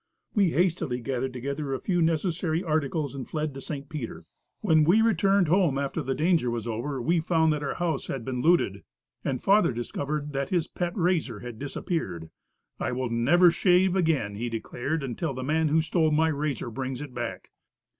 We hastily gathered together a few necessary articles, and fled to St. Peter. When we returned home after the danger was over, we found that our house had been looted, and father discovered that his pet razor had disappeared. "I will never shave again," he declared, "until the man who stole my razor, brings it back."